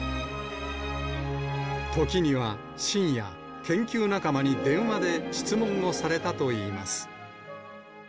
時には深夜、研究仲間に電話で質問をされたといいます。